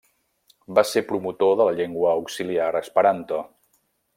Va ser promotor de la llengua auxiliar esperanto.